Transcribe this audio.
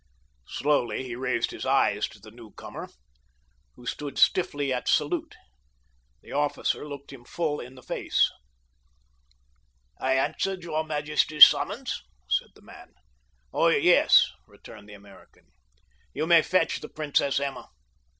Slowly he raised his eyes to the newcomer, who stood stiffly at salute. The officer looked him full in the face. "I answered your majesty's summons," said the man. "Oh, yes!" returned the American. "You may fetch the Princess Emma."